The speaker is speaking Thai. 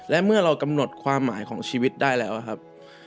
และเมื่อเรากำหนดความหมายของชีวิตได้แล้วครับ